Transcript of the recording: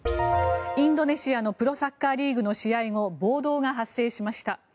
インドネシアのプロサッカーリーグの試合後暴動が発生しました。